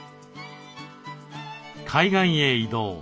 海岸へ移動。